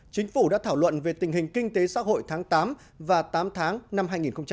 chính phủ đã thảo luận về tình hình kinh tế xã hội tháng tám và tám tháng năm hai nghìn một mươi chín